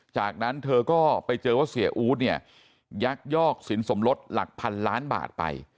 จากนั้นเธอก็ไปเจอว่าเสียอู๊ดเนี่ยยักยอกสินสมรสหลักพันล้านบาทไป